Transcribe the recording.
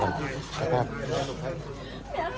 ไม่รักทุกคน